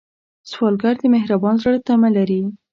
سوالګر د مهربان زړه تمه لري